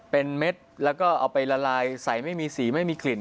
เป็นเม็ดแล้วก็เอาไปละลายใส่ไม่มีสีไม่มีกลิ่น